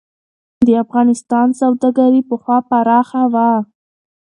د افغانستان سوداګري پخوا پراخه وه.